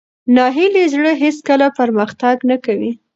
ناهیلي زړه هېڅکله پرمختګ نه کوي.